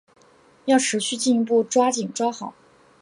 要持续进一步抓紧抓好